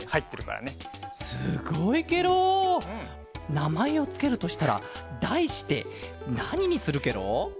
なまえをつけるとしたらだいしてなににするケロ？